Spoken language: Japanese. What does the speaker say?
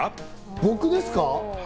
僕ですか？